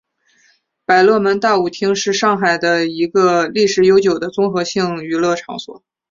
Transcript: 百乐门大舞厅是上海的一个历史悠久的综合性娱乐场所。